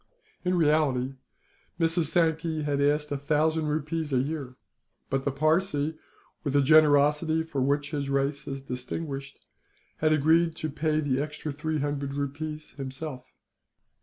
In reality, Mrs. Sankey asked a thousand rupees a year; but the Parsee, with the generosity for which his race is distinguished, had agreed to pay the extra three hundred rupees himself.